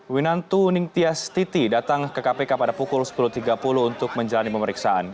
winantu ningtyastiti datang ke kpk pada pukul sepuluh tiga puluh untuk menjalani pemeriksaan